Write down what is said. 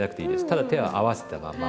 ただ手は合わせたまま。